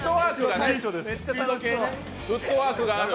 フットワークがある。